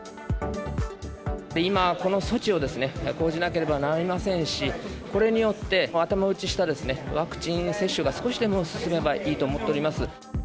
今、この措置を講じなければなりませんし、これによって、頭打ちしたワクチン接種が少しでも進めばいいと思っています。